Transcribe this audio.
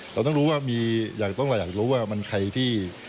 เราต้องรู้ว่ามีอยากรู้ว่ามันใครที่